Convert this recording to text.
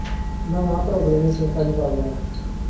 Não há problema em pensar devagar